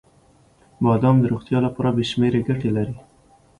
• بادام د روغتیا لپاره بې شمیره ګټې لري.